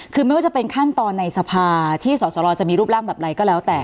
คือไม่ว่าจะเป็นขั้นตอนในสภาที่สอสรจะมีรูปร่างแบบใดก็แล้วแต่